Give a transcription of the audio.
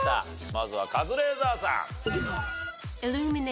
まずはカズレーザーさん。